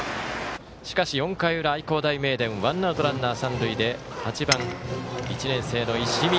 しかし４回裏、愛工大名電はワンアウト、ランナー、三塁で８番、１年生の石見。